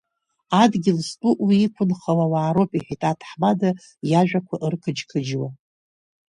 Адгьыл зтәу уи иқәынхауа ауаа роуп, – иҳәеит аҭаҳмада, иажәақәа ырқыџьқыџьуа.